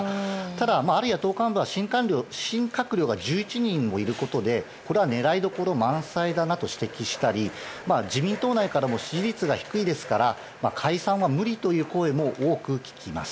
ただ、党幹部は新閣僚が１１人もいることでこれは狙いどころ満載だと指摘したり自民党内からも支持率が低いですから解散は無理という声も多く聞きます。